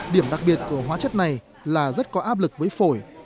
điểm đặc biệt của hóa chất này là rất có áp lực với phổi